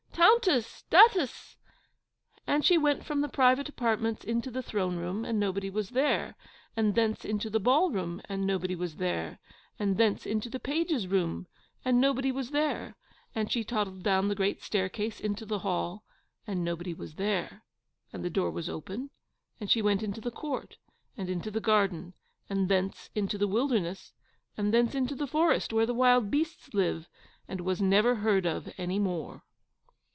Tountess! Duttess!' And she went from the private apartments into the throne room and nobody was there; and thence into the ballroom and nobody was there; and thence into the pages' room and nobody was there; and she toddled down the great staircase into the hall and nobody was there; and the door was open, and she went into the court, and into the garden, and thence into the wilderness, and thence into the forest where the wild beasts live, and was never heard of any more!